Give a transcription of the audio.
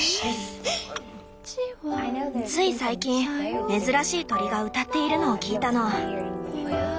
つい最近珍しい鳥が歌っているのを聞いたの。